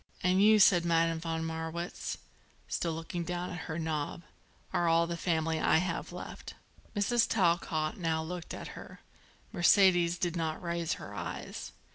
"And you," said Madame von Marwitz, still looking down at her knob, "are all the family I have left." Mrs. Talcott now looked at her. Mercedes did not raise her eyes.